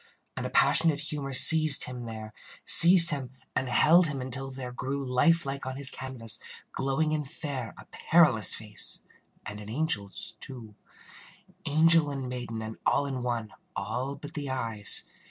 And a passionate humor seized him there Seized him and held him until there grew Like life on his canvas, glowing and fair, A perilous face and an angel's, too. Angel and maiden, and all in one, All but the eyes.